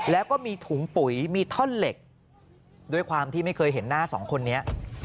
แล้วก็มีถุงปุ๋ยมีท่อนเหล็กด้วยความที่ไม่เคยเห็นหน้าสองคนนี้